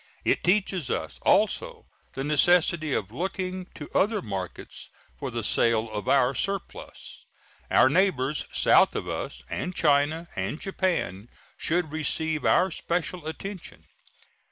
It teaches us also the necessity of looking to other markets for the sale of our surplus. Our neighbors south of us, and China and Japan, should receive our special attention.